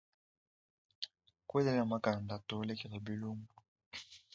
Kuena ne makanda to lekela bilumbu.